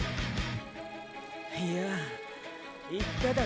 いやあ言っただろ